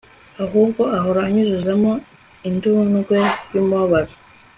ahubwo ahora anyuzuzamo indurwe y'umubabaro